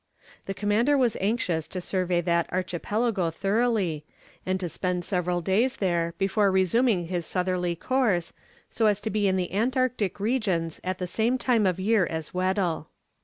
The commander was anxious to survey that archipelago thoroughly, and to spend several days there before resuming his southerly course, so as to be in the Antarctic regions at the same time of year as Weddell.